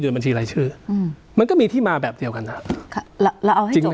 บัญชีรายชื่ออืมมันก็มีที่มาแบบเดียวกันนะครับค่ะเราเอาให้จริง